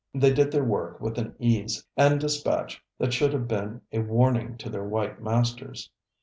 They did their work with an ease and dispatch that should have been a warning to their white masters.